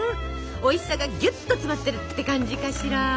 おいしさがギュッと詰まってるって感じかしら。